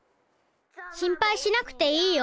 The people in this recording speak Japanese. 心ぱいしなくていいよ。